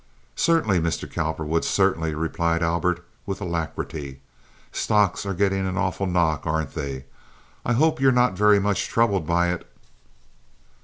"Certainly, Mr. Cowperwood, certainly," replied Albert, with alacrity. "Stocks are getting an awful knock, aren't they? I hope you're not very much troubled by it?"